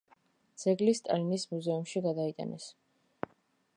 ძეგლი სტალინის მუზეუმში გადაიტანეს.